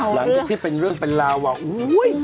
หลังจากที่เป็นเรื่องเป็นราวว่าอุ้ย